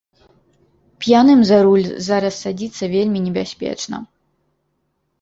П'яным за руль зараз садзіцца вельмі небяспечна.